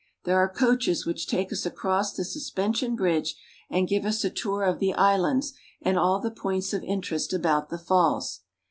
There are coaches which take us across the suspension bridge and give us a tour of the islands and all the points of interest about the falls.